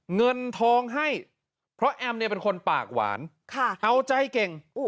เงินทองให้เพราะแอมเนี่ยเป็นคนปากหวานเอาใจเก่ง